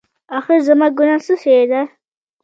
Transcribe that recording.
اخېر زما ګناه څه شی ده؟